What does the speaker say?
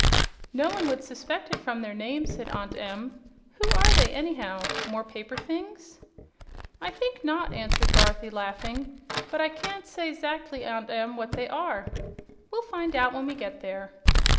"No one would suspect it from their name," said Aunt Em. "Who are they, anyhow? More paper things?" "I think not," answered Dorothy, laughing; "but I can't say 'zactly, Aunt Em, what they are. We'll find out when we get there."